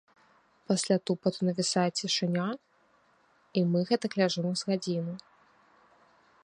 Пасля тупату навісае цішыня, і мы гэтак ляжым з гадзіну.